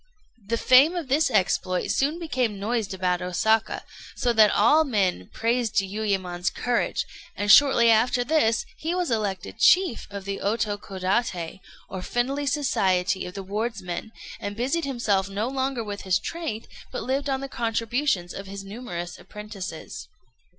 ] The fame of this exploit soon became noised about Osaka, so that all men praised Jiuyémon's courage; and shortly after this he was elected chief of the Otokodaté, or friendly society of the wardsmen, and busied himself no longer with his trade, but lived on the contributions of his numerous apprentices.